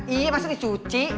iya masa dicuci